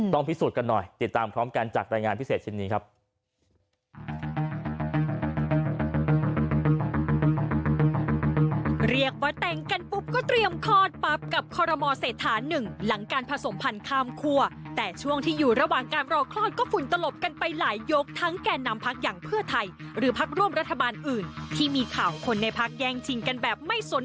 พิสูจน์กันหน่อยติดตามพร้อมกันจากรายงานพิเศษชิ้นนี้ครับ